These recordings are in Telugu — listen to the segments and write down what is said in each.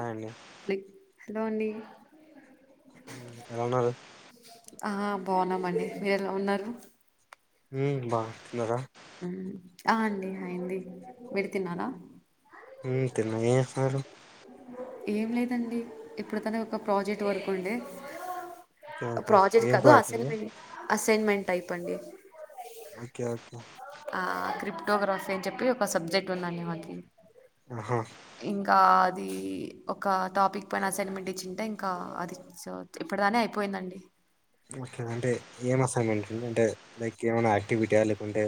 అ అండి హలో హలో అండి మ్మ్ ఎలా ఉన్నారు ఆ బాగున్నామండి మీరు ఎలా ఉన్నారు హ్మ్ బా తిన్నార మ్మ్ ఆ అండి అయింది మీరు తిన్నారా ఉమ్ తిన్నా ఏం చేస్తున్నారు ఏం లేదండి ఇప్పుడు తను ఒక ప్రాజెక్ట్ వర్కు ఉండే ఓకే అ ఓకే ప్రాజెక్టు ఏం కదు ప్రాజెక్ట్ అండి అసైన్మెం అస్ తేన్మెంట్ అయిపోంది ఓకే ఓకే ఆ క్రిప్టోగ్రఫీ అని చెప్పి ఒక సబ్జెక్ట్ ఉందండి మాకి ఆహా కాద్ అదీ ఒక టాపిక్ పైన అసైన్మెంట్ ఇచ్చింటే ఇంకా, అది సార్ ద్ది ఇప్పుడు దాన్నే అయిపోయిందండి. ఓకే అంటే ఏమసైన్మెంటండి. అంటే లైక్ ఏమన్నా యాక్టివిటీయ లేకుంటే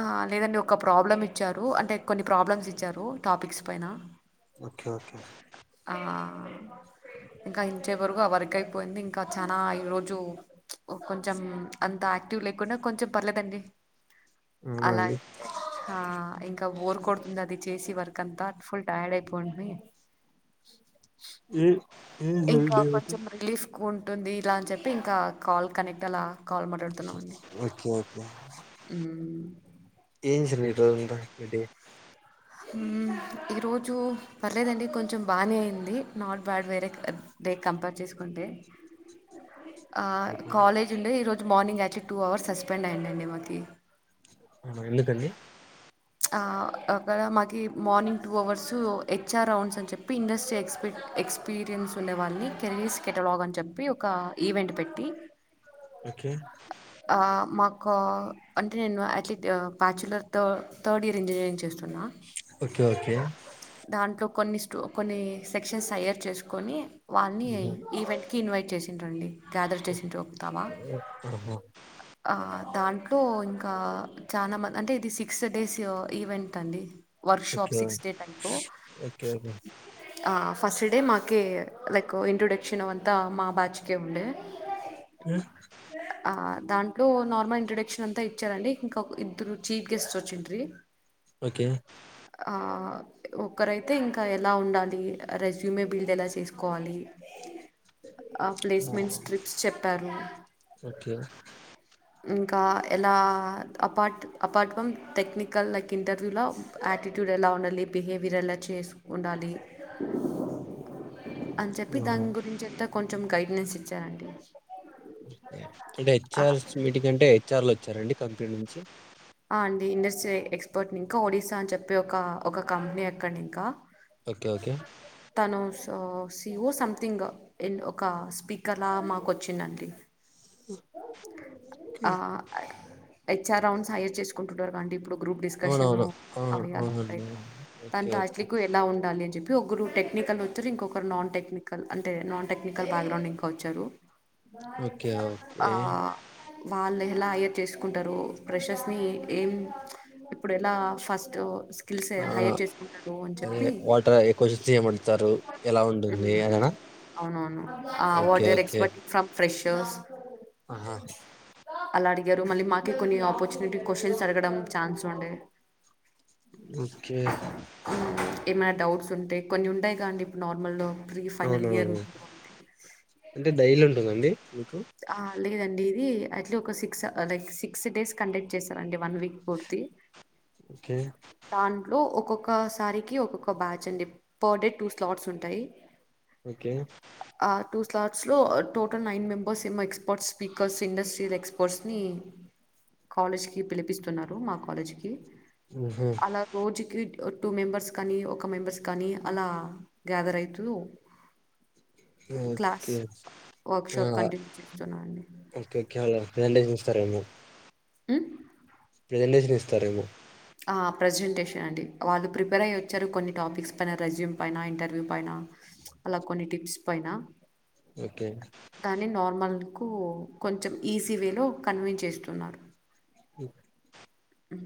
ఆ లేదండి ఒక ప్రాబ్లమ్ ఇచ్చారు. అంటే కొన్ని ప్రాబ్లమ్స్ ఇచ్చారు. టాపిక్స్ పైన ఓకే ఓకే ఆ ఇంకా ఇంచేపువరకు ఆ వరక్ అయిపోయింది. ఇంకా చానా ఈ రోజు ప్చ్ ఒ కొంచెం, అంత యాక్టివ్ లేకుండా కొంచెం పర్లేదండి. అవునా అలా అండి ఐతే ఆ ఇంకా బోరు కొడుతుంది. అది చేసి వర్కంతా ఫుల్ టైర్డ్ అయితుం కొంట్నియే ఏ ఇవి జరుగు డే అవుతున్ ఎక్కువ ఉంటుంది ఇలా అని చెప్పి ఇంకా కాల్ కనెక్ట్ అలా కాల్ మాట్లాడుతున్నాం అండి ఓకే ఓకే మ్మ్ ఏజ ర అందా అడి మ్ ఈరోజు పర్లేదండి కొంచెం బాగానే అయింది, నాట్ బ్యాడ్ వేరే డే కంపేర్ చేసుకుంటే ఆ ఓకే కాలేజ్ ఉండే ఈ రోజు మార్నింగ్ వచ్చి టూ అవర్స్ సస్పెండ్ అయ్య అండి మాకి అవునా ఎందుకండి ఆ అక్కడ మాకి morning two hours HR rounds అని చెప్పి, ఇండస్ట్రీ ఎక్ ఎక్స్పీరియన్స్ ఉండ వాళని కెరీర్స్ కెటలాగ్ అని చెప్పి ఒక ఈవెంట్ పెట్టి ఓకే ఆ మాకు అంటే నేను అట్లీస్ట్ బ్యాచ్యులర్తో థడ్ ఇర్ ఇజనీర్ చేస్ తున ఓకే ఓకే దాంట్లో కొన్ని స్టూ కొన్ని సెక్షన్స్ హయ్యర్ చేసుకొని వాన్ని ఆహా ఈవెంట్ కి ఇన్వైట్ చేసిన్డ్ర్ అండి గ్యాదర్ చేసింట్రూ దమ్మా ఆహా, ఆ దాంట్లో ఇంకా చానా మంది అంటే ఇది సిక్స్ దేసియో ఈవెంట్ అండి work okay shop six date అనుకో ఓకే ఓకే ఆ ఫస్ట్ డే మాకే లైక్ ఇంట్రొడక్షన్ అంతా మా బ్యాచ్ కె ఉండే ఉమ్, ఆ దాంట్లో నార్మల్ ఇంట్రొడక్షన్ అంతా ఇచ్చారండి ఇంకా ఇద్దరు చీఫ్ గెస్ట్ వచ్చిండ్రు రి ఓకే ఆ ఒకరైతే ఇంకా ఎలా ఉండాలి రెజ్యూమే బిల్డ్ ఎలా చేసుకోవాలి ఆ ప్లేస్మెంట్స్ ట్రిప్స్ చెప్పారు ఓకే ఇంకా ఎలా అపార్ట్ అపార్ట్వం టెక్నిక్ కల్ లైక్ ఇంటర్వ్యూలో యాటిట్యూడ్ ఎలా ఉండాలి బిహేవియర్ ఎలా చేస్ ఉండాలి అని చెప్పి ఆహా దాని గురించి [unintelligible] కొంచెం గైడెన్స్ ఇచ్చానండి ఓకే అంటే హెచ్ఆర్స్ మీటిగ్ అంటే హెచ్ఆర్లు వచ్చారండి కంపెనీ నుంచి ఆ అండి ఇండస్ట్రి ఎక్స్పర్ట్ ఇంకా ఒడిసా అని చెప్పి ఒక ఒక కంపెనీ ఎక్కడ్ ఇంకా ఓకే ఓకే తను సో సిఓ సంథింగ్ ఒక స్పీకర్లా మాకు వచ్చిందండి ఆ హెచ్ఆర్ రౌండ్స్ సహార్ చేసుకుంటున్నారు అండి ఇప్పుడు గ్రూప్ డిస్కషను అవునవును ఆ అవి అలా అవునండి ఓకే ఓకే [inaudible] ఎలా ఉండాలి జేపీ ఒకరు టెక్నికల్ [unintelligible] ఇంకొకరు నాన్ టెక్నికల్ అంటే నాన్ టెక్నికల్ బ్యాక్గ్రౌండ్ ఇంకా వచ్చారు బా ఇ ఓకే ఓకే ఆ వాళ్ళు ఎలా హయర్ చేసుకుంటారు ప్రెషర్స్ ని ఏం ఇప్పుడు ఎలా ఫస్టు స్కిల్స్ ఆ హైయర్ చేసుకుంటారు అని అదే చెప్పి వాటర్ క్వశ్చన్స్ ఏమంటారు ఎలా ఉంటుంది మ్మ్ అదనా అవునను okay what there okay expect from fresh దోష్ ఆహా అలా అడిగారు మళ్ళీ మాకే కొన్ని ఆపర్చునిటీ క్వశ్చన్స్ అడగడం ఛాన్స్ ఉండే ఓకే మ్మ్ ఏమైనా డౌట్స్ ఉంటే కొన్ని ఉంటాయి గా అండి ఇప్పుడు నార్మల్లో అవునవును అంటే డైలీ ఉంటుందండి ఆ ప లేదండి ఇది అట్లా ఒక six like six days conduct చేస్తారంండి వన్ వీక్ పూర్తి ఓకే తాన్ లో ఒక్కొక్కసారికి ఒక్కొక్క బ్యాచ్ అండి పర్ డే టూ స్లాట్స్ ఉంటాయి ఓకే ఆ టూ స్లాట్స్ లో టోటల్ నైన్ మెంబ ఒకసమ ఎక్స్పర్ట్స్ స్పీకర్స్ ఇండస్ట్రియల్ ఎక్స్పర్ట్స్ ని కాలేజ్ కి పిలిపిస్తున్నారు మాకు కాలేజ్కి ఊహూ అలా రోజుకి టూ మెంబర్స్ కానీ ఒక మెంబర్స్ కానీ అలా గ్యాదర్ అవుతు ఓకే వర్క్షాప్ కంటిన్యూ చేస్తున్నా అండి ఓకేఓకే రదండస్తార ఉ ప్రెజెంటేషన్ ఇస్తారేమో అ ప్రెజెంటేషన్ అండి వాళ్ళు ప్రిపేర్ అయ్యొచ్చారు కొన్ని టాపిక్స్ పైన రెజ్యూమ్ పైన ఇంటర్వ్యూ పైన అలా కొన్ని టిప్స్ పైన ఓకే నార్మల్ కు కొంచెం ఈజీ వేలో కన్వీన్స్ చేస్తున్నారు ఉ ఉ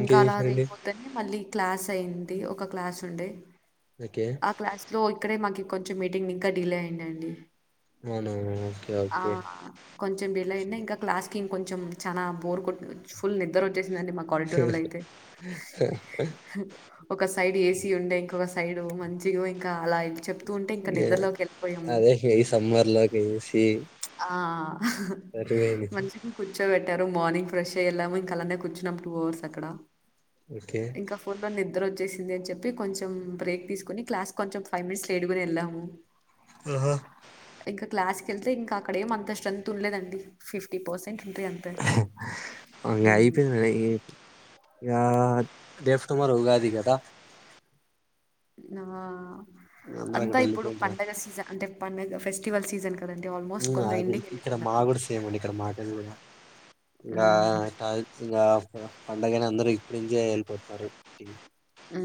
ఇంకా ఇంకేం అలాది చేశారండి అయిపోతదండి మళ్ళీ క్లాస్ అయింది ఒక క్లాస్ ఉండే ఓకే ఆ క్లాస్ లో అక్కడే మాకు కొంచెం మీటింగ్ ఇంకా డిలే అయింది అండి అవునవును ఓకే ఆ ఓకే కొంచెం డిలైన్ ఇంకా క్లాస్ ఇంకొంచెం చాలా బోర్ కొడుతు ఫుల్ నిద్ర వచ్చేసిదండి మాకు వంట రూమ్ లో అయితే ఒక సైడ్ ఏసి ఉండే ఇంకొక సైడ్ మంచిగా ఇక ఏ అదే ఏయి సమ్మర్ లోకి ఈ ఆ హ మంచి కుద్ కూర్చోబెట్టరు మార్నింగ్ ఫ్రెష్ అయి వెళ్ళాము ఇంకాలానే కూర్చున్నాం టూ అవర్స్ అక్కడ ఓకే ఇంకా ఫుర్బంది నిద్ర వచ్చేసింది అని చెప్పి కొంచెం బ్రేక్ తీసుకోని క్లాస్ కొంచెం ఫైవ్ మినిట్స్ లేటుకనే వెళ్ళాము ఆహా ఇక క్లాస్ కి వెళ్తే ఇంకా అక్కడెమో అంత స్టెంత్ ఉండలేదండి ఫిఫ్టీ పర్సెట్ ఇంకా హ్మ్. అయిపోయింది అ టుమారో ఉగాది కదా ఆ అందరు అంతా అక్కడికి ఇప్పుడు వెళ్ళిపోయిండ్రు పండగ సీజన్ అంటే పన్నగా ఫెస్టివల్ సీజన్ కదండీ! ఆల్మోస్ట్ కొందరు అది ఇక్కడ ఇంటికెళ్ళిపోయినారు. మాకుడు సేమ్ ఉండే ఇక్కడ మాకాడ కూడా ఇంకా హ్మ్. ఇంకా పండగనే అందరు ఇప్పుడు ఇంకేం ఎల్లిపోతారు ఉ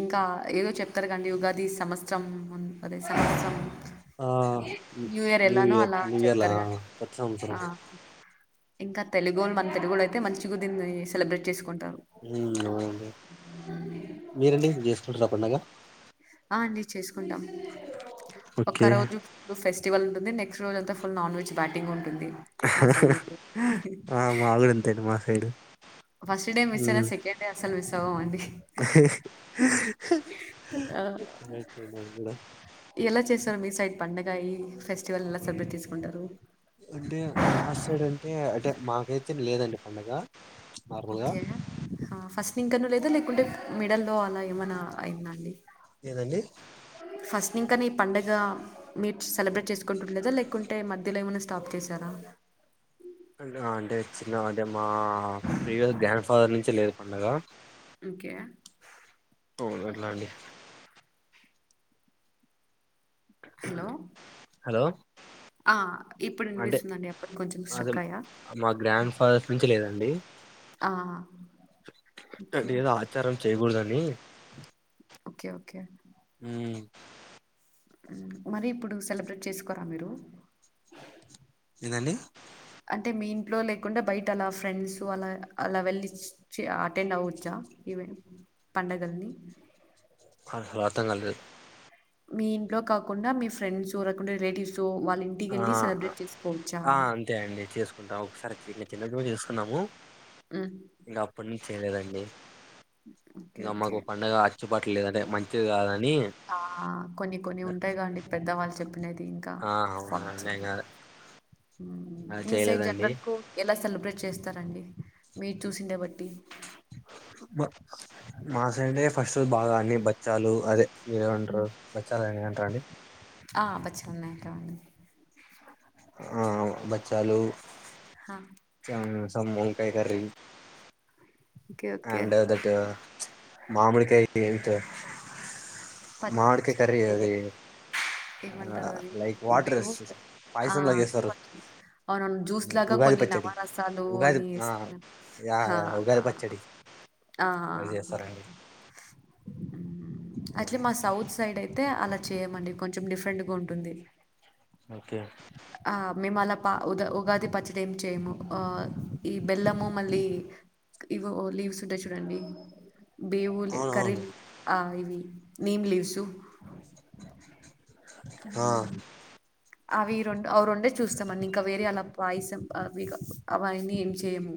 ఇంకా ఏదో చెప్తారు కండి ఉగాది సంవత్సరం అదే సంవత్సరం ఆ న్యూ ఎలానో ఇయర్ అలా న్యూ ఇయర్ల చెప్తారు గా కొత్త సంవత్సరం ఆ! ఇంకా తెలుగున్ మన తెలుగులో అయితే మంచిగా దీన్ని సెలబ్రేట్ చేసుకుంటాం హ్మ్ అవునండి మీరండి జేసుకుంటుండ్రా పండగ ఆ అండి చేసుకుంటాం ఓకే ఒకరోజు టు ఫెస్ టివల్ ఉంటుంది నెక్స్ట్ రోజంతా నాన్ వెజ్ బ్యాటింగ్ ఉం ఆ మాగూడ అంతేండి మా సైడు ఫస్ట్ డే మిస్సయిన సెకండ్ డే అసలు మిస్ సవ్వమండి కరెక్టే లేండి అది కూడ. ఇంకా ఈ ఫెస్టివల్ ని ఎలా సెలబ్రేట్ చేసుకుంటారు అంటే మా సైడ్ అంటే అంటే మాక్ రేత్రిల్ల్ లేదండి పండగ నార్మల్గా ఓకే అ ఫస్ట్ నింకను లేదా లేకుంటే మిడల్ లో అలా ఏమన్నా అయిందండి లేదండి ఫస్ట్నీకన్నే ఈ పండగ మీరు సెలబ్రేట్ చేసుకుంటుండలేదా లైక్ లేకుంటే మధ్యలో ఏమన్నా స్టాప్ చేశారా అంటే ఆ అంటే చిన్నగ అదే మా మా ప్రీవియస్ గ్యాప్ ఆరు నుంచి లేదు పండగ అంకే పోదుర్లండి హలో! హలో ఆ ఇప్పుడు అంటే వినిపిస్తుందండి. అప్పుడు కొంచెం అది స్ట్రక్ అయ్యా. మా గ్రాండ్ ఫాదర్స్ నుంచి లేదండి ఆ ఓకే. అంటే ఏదో ఆచారం చేయకూడదని చ్ ఓకే ఓకే మరి ఇప్పుడు సెలబ్రేట్ చేసుకోరా మీరు ఏందండి అంటే మీ ఇంట్లో లేకుండా బయట అలా ఫ్రెండ్స్ అలా అలా వెళ్లి చి అటెండ్ అవ్వచ్చా ఈవ పండగల్ని హల్ హలో అర్థం కాలేదు మీ ఇంట్లో కాకుండా మీ ఫ్రెండ్స్ చూరకుండా రిలేటివ్స్ వాళ్ళ ఆ ఇంటికెళ్ళి సెలబ్రేట్ చేసుకోవచ్చా? ఆ అంతే అండి చేసుకుంటా ఒక్కసారే దీన్ని చిన్నప్పుడు చేసుకున్నాము హ్మ్. ఇంకా అప్పటి నుంచి చేయలేదండి ఓకే. ఇంకా ఓకే. మాకు పండగ అచ్చుబాట్లు లేదంటే మంచి సెట్ కాదని ఆ కొన్ని కొన్ని ఉంటాయి గా లెండి పెద్దవాళ్ళు చెప్పినది ఇంకా చేయాలి. అనేగా మీ సైడ్ జనరల్ కు ఎలా సెలెబ్రే చేస్తారండి మీరు చూసిండే బట్టి మ మా సైడే ఫస్ట్ రోజు బాగా అన్ని బచ్చాలు అదే మీరు అంటారా హ్మ్. బచ్చాలని అంటారాండి ఆ పచ్చిగున్నాయట ఆ బచ్చాలు ఆ! చ స వంకాయ curry okay. Okay. And that మామిడికాయ ఎంట మామిడి పచ్చ్ కాయ కర్రి అదే అది ఏమంటారు అది లైక్ బే వాటర్ ఆ పాయసం లాగా చేస్తారు అవునవును జ్యూస్ లాగా ఉగాది కొన్ని నవ పచ్చడి రసాలు ఉగాది అని ఆ యా హా యా ఉగాది పచ్చడి ఆ అది చేస్తారండి ఆ అట్లే మా సౌత్ సైడ్ అయితే అలా చేయమండి కొంచెం డిఫరెంట్ గా ఉంటుంది ఓకే ఆ! మేము అలా పా ఉద ఉగాది పచ్చడి ఏమి చేయము ఆ ఈ బెల్లము మళ్ళీ ఇవి లీవ్స్ ఉంటాయి చూడండి బేవులు అవునవును కరీల్ ఆ ఇ ఉహ్మ్ నీమ్ లేసుు ఈ ఆ మధ్య అవి రెండు అవి రెండే చూస్తమండి ఇంకా వేరే అలా పాయసం అవి అవన్నీ ఏం చేయము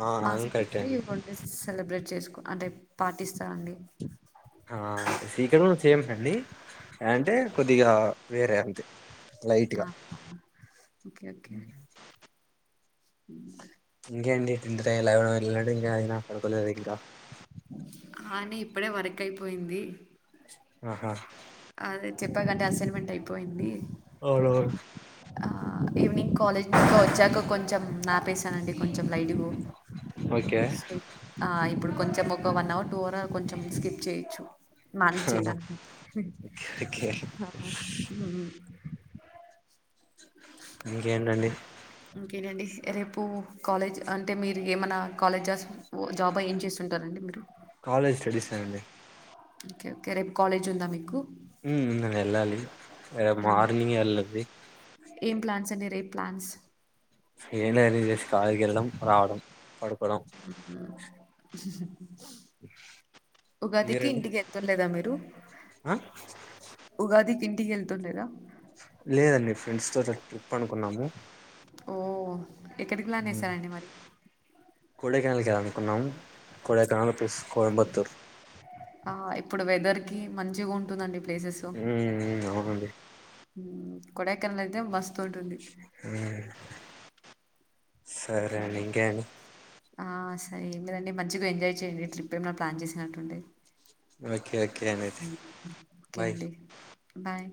ఆ మా అది సైడ్ కరెక్టే అయితే అండి ఆల్వేస్ సెలబ్రేట్ చేసుకో అంటే పాటిస్తాండి ఆ సీక్ర సేమ్ అండి అంటే కొద్దిగా వేరే అంతే లైట్ గా ఆహ్ హ ఓకే ఓకే ఉహ్ ఇంకేంటి తింక్ చేయలేదు మాట్లాడ వెళ్ళట్డు ఇంకా అయానా పడుకోలేదు ఇంకా ఆనే ఇప్పుడే వర్క్ అయిపోయింది. ఆహా చెప్పాలంటే అసైన్మెంట్ అయిపోయింది. అవునవును ఆహ్ ఈవినింగ్ కాలేజ్ వచ్చాక కొంచెం ఆపేసానండి కొంచం. చం లైట్గో ఓకే సో ఆ ఇప్పుడు కొంచెం ఒక వన్ అవర్ టూ అవర్ కొంచెం స్కిప్ చేయొచ్చు. మనేజ్ చేయడానికి ఓకే ఓకే. ఉహ్ [unintelligible] ఇంకా ఏండండీ ఇంకేనండి రేపు కాలేజ్ అంటే మీరు ఏమన్నా కాలేజ్స్ ఓ జాబా ఏం చేస్తుంటారండి మీరు కాలేజ్ స్టడీస్ అండి ఓకే ఓకే రేపు కాలేజ్ ఉందా మీకు. ఉహ్మ్ వెళ్ళాలి. మార్నింగే వెళ్ళలి ఏం ప్లాన్స్ అండి రేపు ప్లాన్స్ ఏం లేదండి జస్ట్ కాలేజీకి వెళ్ళడం రావడం. పడుకోవడం ఉహ్ హు స్స్ ఉగాదికి మీరండి ఇంటికి వెళ్తుంలేదా మీరు ఆ ఉగాది కి టికీ వెళ్తుండెరా లేదండి ఫ్రెండ్స్ తో ట్రిప్ అనుకున్నాము. ఓ ఎక్కడికి ప్లాన్ వేసారండి మరి కొడైకెనాల్ కి వేలాలి అనుకున్నాము కొడైకెనాల్ ల్ ప్లస్ కోయబత్తూర్ ఆ, ఇప్పుడు వెదర్కి మంచిగా ఉంటుందండి ప్లేసెస్ ఉ హు అవునండి ఉ కొడైకెనాల్ మస్త్ ఉ సరే ఓకే అండి ఇంకేమండి ఆ సరే ఏం లేదండి మంచిగా ఎంజాయ్ చేయండి ట్రిప్స్ ఏమైనా ప్లాన్ చేసినట్టుంటే ఓకే ఓ హ్మ్ ఇంకేంటి బాయ్